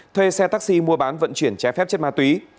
thuê xe taxi mua bán vận chuyển trái phép chất ma túy